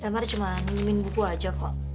damar cuma minumin buku aja kok